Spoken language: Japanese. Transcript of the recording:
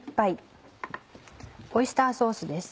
オイスターソースです。